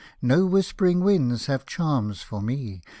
No whispering winds have charms for me.